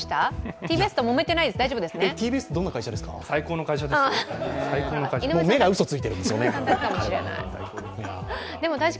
ＴＢＳってどんな会社ですか？